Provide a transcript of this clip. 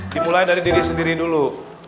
dimulai dari diri sendiri dulu